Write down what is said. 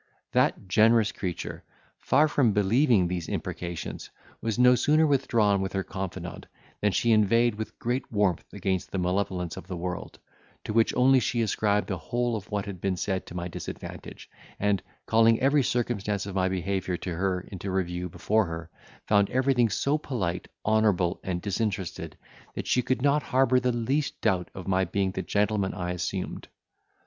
That generous creature, far from believing these imprecations, was no sooner withdrawn with her confidante, than she inveighed with great warmth against the malevolence of the world, to which only she ascribed the whole of what had been said to my disadvantage, and, calling every circumstance of my behaviour to her into review before her, found everything so polite, honourable, and disinterested, that she could not harbour the least doubt of my being the gentleman I assumed.